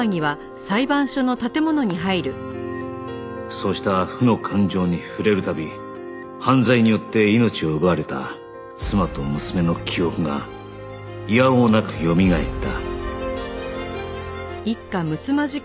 そうした負の感情に触れる度犯罪によって命を奪われた妻と娘の記憶がいや応なくよみがえった